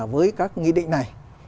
với các nghị định này